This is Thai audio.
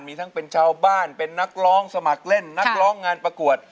มีทั้งเป็นชาวบ้านเป็นนักร้องสมัครเล่นนักร้องงานประกวด